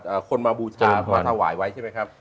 เอ่อคนมาบูชาพระทหาวายไว้ใช่ไหมครับ